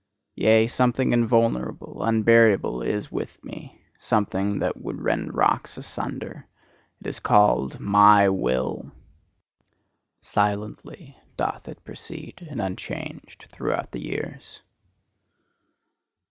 Yea, something invulnerable, unburiable is with me, something that would rend rocks asunder: it is called MY WILL. Silently doth it proceed, and unchanged throughout the years.